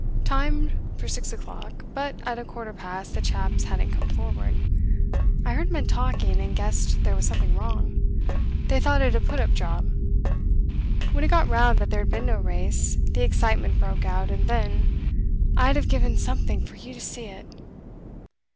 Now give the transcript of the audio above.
Timed for six o'clock, but at a quarter past the chaps hadn't come forward. I heard men talking, and guessed there was something wrong; they thought it a put up job. When it got round that there'd be no race, the excitement broke out, and then I'd have given something for you to see it!